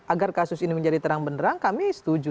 agar kasus ini menjadi terang benerang kami setuju